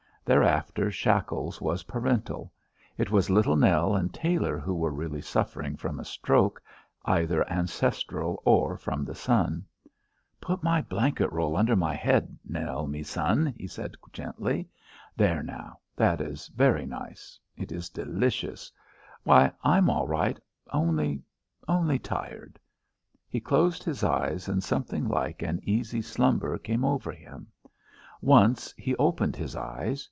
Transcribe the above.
Thereafter Shackles was parental; it was Little Nell and Tailor who were really suffering from a stroke, either ancestral or from the sun. "Put my blanket roll under my head, Nell, me son," he said gently. "There now! That is very nice. It is delicious. Why, I'm all right, only only tired." He closed his eyes, and something like an easy slumber came over him. Once he opened his eyes.